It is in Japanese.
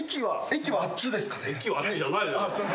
駅はあっちじゃない。